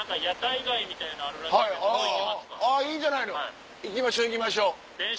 あぁいいじゃないの行きましょう行きましょう。